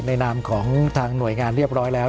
นามของทางหน่วยงานเรียบร้อยแล้ว